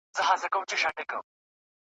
سل او څو پرهېزگاران مي شرابيان كړل ,